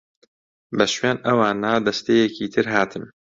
بە شوێن ئەوانا دەستەیەکی تر هاتن.